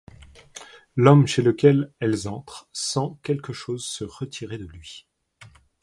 L'homme chez lequel elles entrent sent quelque chose se retirer de lui.